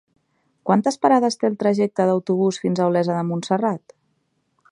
Quantes parades té el trajecte en autobús fins a Olesa de Montserrat?